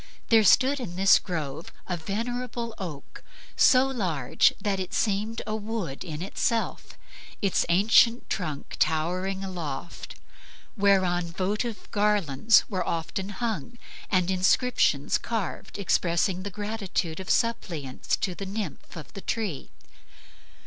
There stood in this grove a venerable oak so large that it seemed a wood in itself, its ancient trunk towering aloft, whereon votive garlands were often hung and inscriptions carved expressing the gratitude of suppliants to the nymph of the tree.